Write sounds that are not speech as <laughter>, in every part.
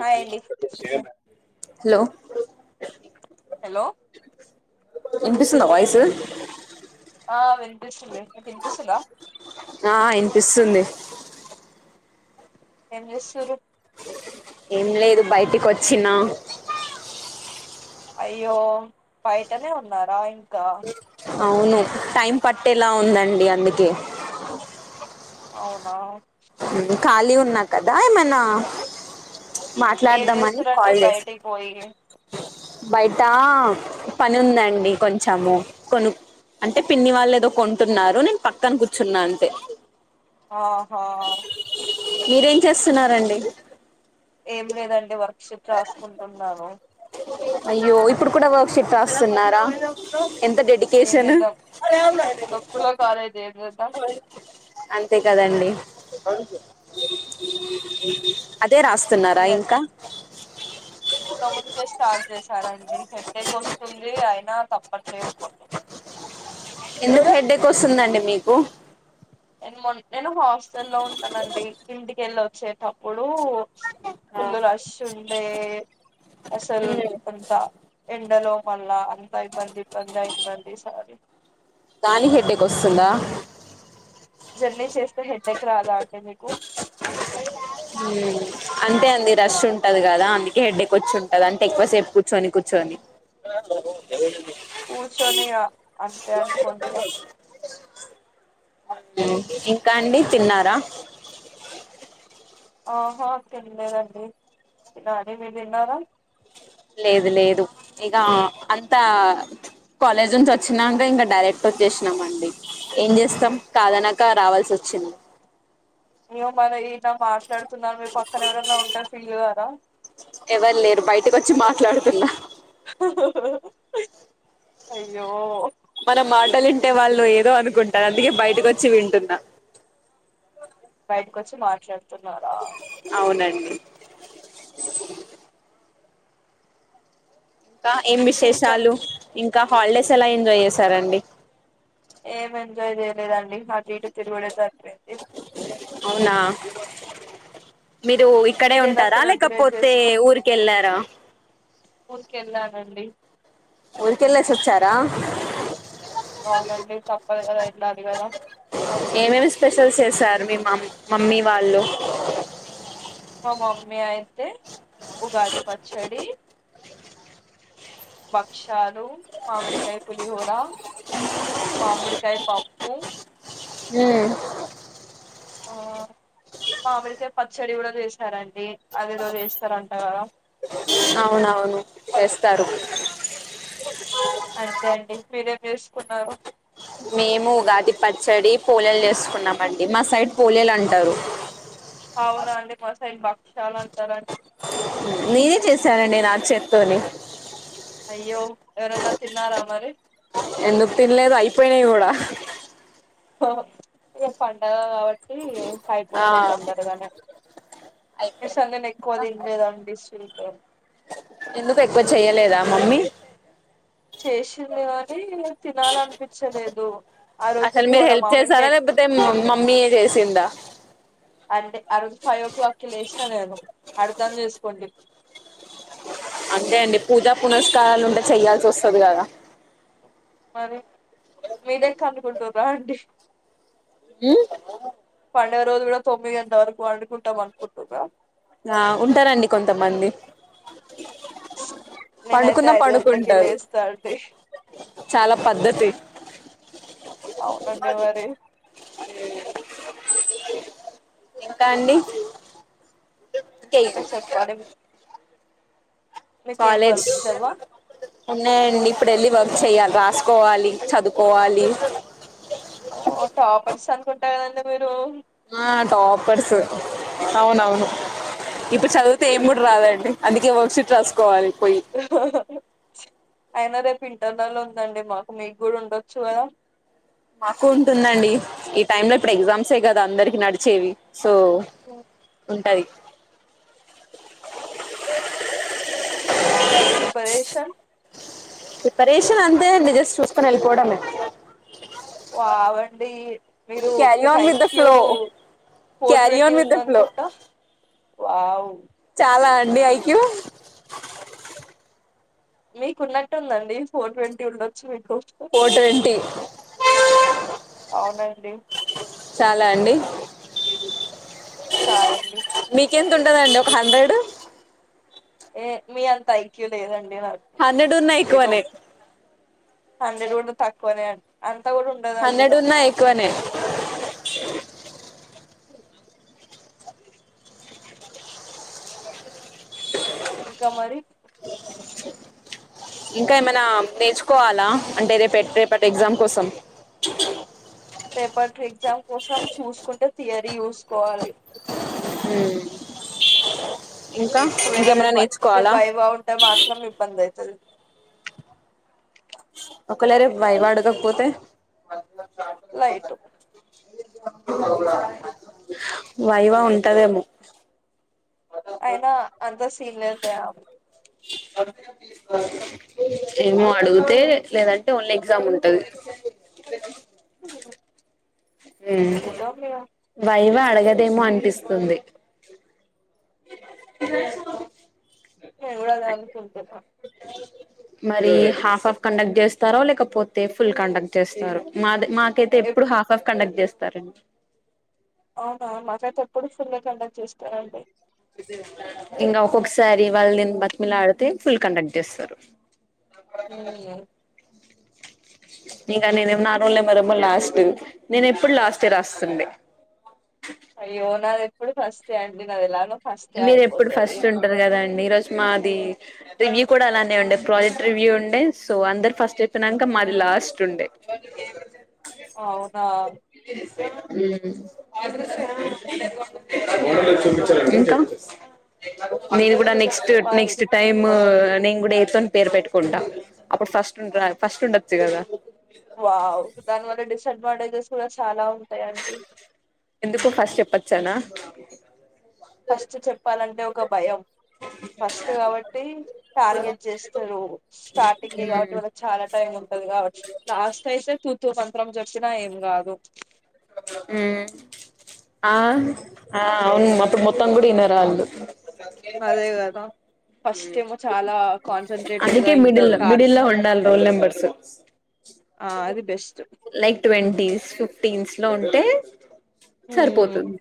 Hi అండి hello hello వినిపిస్తుంద voice ఆ వినిపిస్తుంది నీకు వినిపిస్తుందా ఆ ఇనిపిస్తుంది ఏం చేస్తూంరూ ఏం లేదు బయటికి వచ్చినా అయ్యో బయటనే ఉన్నారా ఇంకా అవును టైం పట్టేలా ఉందండి అందుకే అవునా ఖాళీ ఉన్నా కదా ఏమనా ఏ వచేస్తురండి బయటికి పోయి బయట పని ఉందండి కొంచెము కొను అంటే పిన్ని వాళ్ళు ఏదో కొంటున్నారు నేను పక్కన కూర్చున్నా అంతే ఆహా మీరేం చేస్తున్నారండి ఏం లేదండి వర్క్క్షిప్ రాసుకుంటున్నాను అయ్యో ఇప్పుడు కూడా వర్క్ షిప్ రాస్తున్నారా ఎంత ఏం డెడికేషన్ చేద్దాం తక్కువలో కాలేజ్ ఏం చేద్దాం అంతే కదండి అదే రాస్తున్నారా మీరు ఇంకా ఇంత ముందుకే స్టార్ట్ చేసారండి మీ హెడేక్ వస్తుంది అయినా తప్పట్లేవు కొన్ని ఎందుకు హెడ్డేక్ వస్తుందండి మీకు నేను మ నేను హాస్టలో ఉంటానండి ఇంటికెళ్ళి వచ్చేటప్పుడు ఫుల్ల రష్ అంటే అసలు కొంత ఎండలో మళ్ళా అంతా ఇబ్బంది ఇబ్బంది అయింద అండి ఇ సారి దానిహెడ్డకి వస్తుందా జర్నీ చేస్తే హెడ్డెక్ రాదా అంటే మీకు హుమ్ అంటే అండి రష్ ఉంటది కదా అందుకే హెడేక్ వచ్చింటాడి అంటే ఎక్కువసేపు కూర్చొని కూర్చొని కూర్చోని అంతే అనుకోవాలి గా ఇంకా అండి తిన్నారా ఆహా లేదండి తినాలి మీరు తిన్నారా లేదు లేదు ఇక అంత కాలేజ్ నుంచి వచ్చినాక ఇంకా డైరెక్ట్ వచ్చేసినాం అండి ఏం చేస్త కాదనక రావాల్సి వస్తుంది క్షను మేము మరి ఇలా మాట్లాడుతున్నా మీ పక్కన ఎవరన్నా ఉంట ఫీల్ అవ్వారా ఎవరు లేరు బయటక వచ్చి మాట్లాడుతున్నా అయ్యో మన మాటలు వింటే వాళ్ళు ఏదో అనుకుంటారు అందుకే బయటకు వచ్చి వింటుంన్న బయటకుొచ్చి మాట్లాడుతూన్నారా అవునండి ఇంకా ఏం ఇంకండి విశేషాలు ఇంకా ఇంకా హాలిడేస్ ఎలా ఎంజాయ్ చేసారండి ఏం ఎంజాయ్ చేయలేదండి అటు ఇటూ తిరుగడే సరిపోయింది అవునా మీరు ఇక్కడే మీరు ఎలా ఉంటారా సెలబ్రేట్ లేకపోతే ఊరికి వెళ్ళారా ఊరికెళ్ళనండీ ఊరికెలెస్చ్చార అవునండి తప్పదు కదా వెళ్ళాలి కదా ఏమేమి స్పెషల్ చేసారు మీ మమ్ మమ్మీ వాళ్ళు మా మమ్మీ అయితే ఉగాది పచ్చడి భక్షాలు మామిడికాయ పులిహోర మామిడికాయ పప్పు ఉమ్ ఆ మామిడికాయ పచ్చడి కూడా చేసారండి అదేదో చేస్తారంట కదా అవునవును చేస్తారు అంతే అండి మీరేం చేసుకున్నారు మేము ఉగాది పచ్చడి పోలేలు చేసుకున్నామండి మా సైడ్ పోలేలు అంటారు అవునా అండి మా సైడ్ భక్షాలూ అంటారడి నేనే చేశానండి నా చేత్తోని అయ్యో ఎవరన్నా తిన్నారా మరి ఎందుకు తిన్లేదు అయిపోయినాయి కూడా ఏ పండుగ కాబట్టి ఆ అయిపోతాయి తొందరగానే అయిపోయినాయి అనేసి ఎక్కువ తినలేదండి ఎందుకు ఎక్కువ చెయ్యలేదా మమ్మీ చేసింది కాని తినాలనిపించలేదు ఆ రోజు అసలు మీరు పులిహోర హెల్ప్ చేసారా మామిడికాయ లేకపోతే మమ్మీ చేసిందా అంటే అ రోజు ఫైవ్ ఓ క్లాక్కిి లేచినా నేను అర్ధం చేసుకోండి అంతే అండి పూజా పురస్కారాలు ఉంటే చెయ్యాల్సి వస్తుంది కదా అనీ మీ దగక్కర అనుకుంటుారా అండి హుమ్ పంండగ రోజు కూడా తొమ్మిది గంటల వరకు పండుకుంటాం అనుకుంటుారా ఆ ఉంటారండి కొంతమంది నేనైతే పండుకున్న ఐదు గంటలకే పడుకుంటారు లేస్తా అండి చాలా పద్ధతి అవునండి మరి ఇంకా అండి కే ఇంకా చెప్పాలి మీకేం కాలేజ్ వర్క్స్ లేవ్వ ఉన్నాయండి ఇప్పుడు వెళ్ళి వర్క్ చేయ్యాలి. వా సుకోవాలి చదువుకోవాలి. కొట్ట కదండీ మీరు ఆ టాపర్స్ అవునవును ఇప్పుడు చదివితే ఏం కూడా రాదండి అందుకే వర్క్ షీట్ రాసుకోవాలి పోయి - <inaudible> అయినా రేపు ఇంటర్న లో ఉందండి మాకు మీకు కూడా ఉండొచ్చు కదా మాకు ఉంటుందండి ఈ టైం లో ఇప్పుడు ఎగ్జామ్సే కదా అందరికి నడిచేవి సో ఉంటది మరి ప్రిపరేషన్ ప్రిపరేషన్ అంతే జస్ట్ చూసుకొని వెళ్ళిపోవడమే వావ్ అండి మీరు క్యారీ మీకు on with the IQ flow four carry twenty on with the flow ఉందనుకుంటా వావ్ చాలా అండి ఐక్యూ మీకు ఉన్నట్టు ఉందండి ఫోర్ ట్వంటీ ఉండొచ్చు మీకు ఫోర్ ట్వంటీ అవునండి చాలా అండి చాలండి త ఉంటందండి ఒక హండ్రెడ్ ఏ మీ అంత ఐక్యూ లేదండి హండ్రెడ్ ఉన్నా ఏదో ఎక్కువనే హండ్రెడ్ కూడా తక్కువనే అం అం హండ్రెడ్ ఉన్న ఎక్కువనే <inaudible> ఇంకా మరి ఇంకా ఏమైనా నేర్చుకోవాలా అంటే రేప రేపటి ఎగ్జామ్ కోసం రేపట్ ఎగ్జామ్ కోసం చూసుకుంటే థియరీ చూసుకోవాలి ఉం ఒకవేళ రెప్ వై నేర్చుకోవాలా రెప్ వైవా ఉంటే మాత్రం ఇబ్బంది అయితది ఒకళరేప్ వైవా అడగకపోతే లైట్ వైవా ఉంటాదేమో అయినా అంత సీన్ లేదు లే ఏమో అడిగితే లేదంటే ఓన్లీ ఎగ్జామ్ ఉంటంది చూద్దాం ఇగ బయి ఇ అడగదేమో అనిపిస్తుంది నేన్ గూడా అదే అనుకుంటున్నా మరి హాఫ్ హాఫ్ కండక్ట్ చేస్తారో లేకపోతే ఫుల్ కండక్ట్ చేస్తారు మా దగ్గ మాకైతే ఎప్- ఎప్పుడు హాఫ్ ఆఫ్ కండక్ట్ చేస్తారండి అవునా మాకైతే ఎప్పుడు ఫుల్ గా కండక్ట్ చేస్తారంండి ఇంగ ఒక్కొక్కసారి వాళ్ళు దీని బతిమలా డితే ఫుల్ కండక్ట్ చేస్తారు ఉ ఇంగ నేనేమొ నారోల్ నెంబరేమో లాస్ట్ నేను ఎప్పుడు లాస్టే రాస్తుండే అయ్యోనా ప్పుడి ఫస్ట్ అండి నాది లా మీరు ఎప్పుడు ఫస్ట్ ఉంటారు గదా అండి ఈరోజు మాది రివ్యూ కూడా అలానే ఉండే ప్రాజెక్ట్ రివ్యూ ఉండే సో అందరు ఫస్ట్ చెప్పినంక మాది లాస్ట్ ఉండే అవున చూప అ నేను కూడా నాకు నెక్స్ట్ చెప్పాలి నెక్స్ట్ టైమ్ నేను గూడా ఎ తోని పేరు పెట్టుకుంటా అప్పుడు ఫస్ట్ ఫస్ట్ ఉండచ్చు కదా వావ్ దాని వల్ల డిసడ్వాంటేజెస్ కూడా చాలా ఉంటాయండి ఎందుకు ఫస్ చెప్పచ్చు చనా ఫస్ట్ చెప్పాలంటే ఒక భయం ఫస్ట్ గాబట్టి టార్గెట్ చేస్తారు స్టార్టింగ్ మ్మ్ కాబట్టి వాళ్నకి చాలా టైం ఉంటంది కాబట్టి లాస్ట్ అయితే మంత్రం జెప్పినా ఏం గాదు ఆ అవును మొత్తం గుడ ఇనరాళ్లు అదే గదా ఫస్ట్ ఏమో చాలా కాన్సన్ట్రేటెడ్ అందుకే గా మిడిల్ ఇంటర్ టార్గెట్ మిడిల్లో ఉండాలి రోల్ నెంబర్ అా ఆ అది బెస్ట్ లైక్ ట్వంటీస్ ఫిఫ్టీన్స్ లో ఉంటే ఉమ్, సరిపోతుంది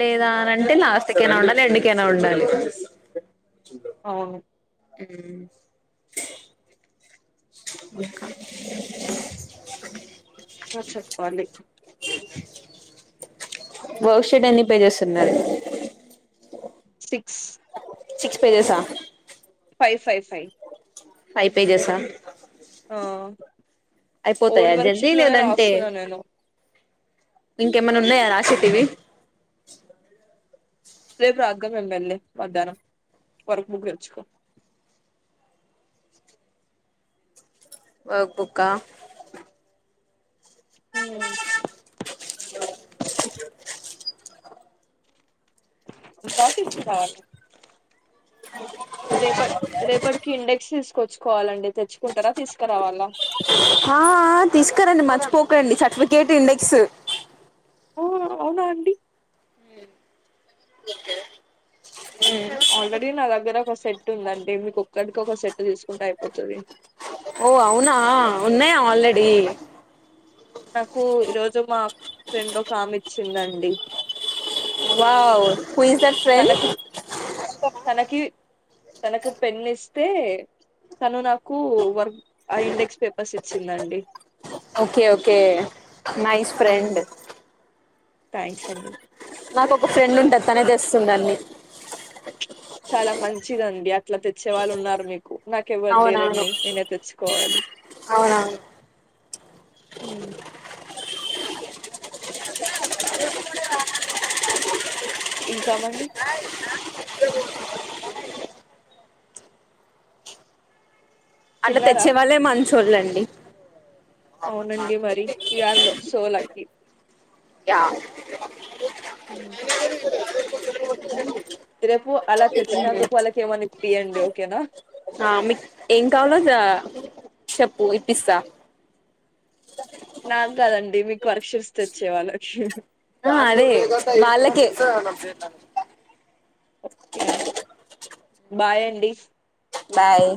లేదా అనంటే లాస్ట్ కైనా ఉండాలి ఎండ్ కైనా ఉండాలి అవును ఊ ఇకా <unintelligible> ఆ చెప్పాలి వర్క్షేట్ ఎన్ని పే చేస్తున్నారు సిక్స్ సిక్స్ పేజెసా ఫై ఫై ఫై ఫైవ్ పేజెసా ఆ అయిపోతాయా ఓల్డ్ వర్షిప్ లోనే రాస్తున్నా నేను ఇంకెమ్మనా ఉన్నయా రాసేటివి రేపు రాద్దాం ఎమ్మెల్యే మధ్యాహ్నం వరకు వర్క్ బుక్ తెచ్చుకో. వర్క్ బుక్క ఊ <unintelligible> ఆ <unintelligible> బ ఇస్తు కావ రేపటి రేపటికి ఇండెక్స్ తీసుకోవచ్చు. కోవాలండి తెచ్చుకుంటారా, తీసుకురావాలా ఆ తీసుకురండి, మర్చిపోకండి, సర్టిఫికేట్ ఇండెక్స్ ఊ అవునా అండి ఇక ఆల్రెడి నాదగర కస సెట్ ఉంద అంటే మీకు ఒక్కడికి ఒక సెట్ తీసుకుంటే అయిపోతుంది. ఓ అవునా ఉన్నాయా ఆల్రెడీ. నాకు ఈరోజు మా ఫ్రెండ్ ఒక ఆమె ఇచ్చిందండి. Wow who is the friend తనకి తనకి తనకు పెన్ ఇస్తే, తను నాకు వర్క్ ఐ ఇండెక్స్ పేపర్స్ ఇచ్చిందండి. ఓకే ఓకే నైస్ ఫ్రెండ్ సండి నాకు ఒక ఫ్రెండ్ ఉంటుంది తనే తెస్తు దాన్ని. చాలా మంచిదండి అట్లా తెచ్చే వాళ్ళు ఉన్నారు మీకు. నాకేవ్వరు అవునవును లేరండి. నేనే తెచ్చుకోవాలి. అవునవును హ ఇ కామండి స <unintelligible> అట్లా తిన్నారా తెచ్చే వాళ్ళే మంచి చూడలెండి అవునండి మరి యూ ఆర్ సో లక్కీ ఉమ్ రేపు అలా తెచ్చినందుకు వాళ్ళకి ఏమని ఇయ్యండి ఓకేనా ఆ మీకు యిప్పిస్తా నాకు కదండి మీకు వర్క్షిప్స్ తెచ్చే వాళ్ళకి ఆ అదే వాళ్ళకే ఓకే అండి బాయ్ అండి బాయ్